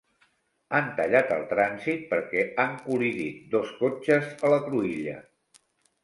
Han tallat el trànsit perquè han col·lidit dos cotxes a la cruïlla.